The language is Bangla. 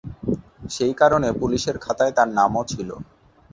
সেই কারণে পুলিশের খাতায় তার নামও ছিল।